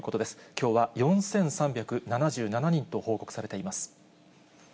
きょうは４３７７人と報告されています。